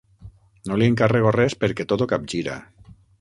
No li encarrego res perquè tot ho capgira.